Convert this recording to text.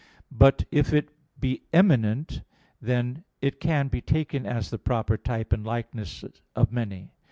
But if it be eminent, then it can be taken as the proper type and likeness of many.